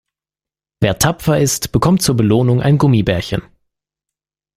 Wer tapfer ist, bekommt zur Belohnung ein Gummibärchen.